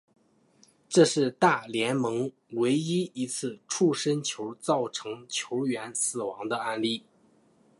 这是大联盟唯一一次触身球造成球员死亡的案例。